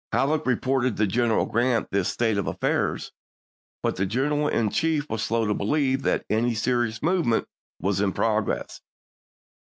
Halleck reported to General Grant this state of affairs, but the General in Chief was slow to believe that any serious movement was in progress.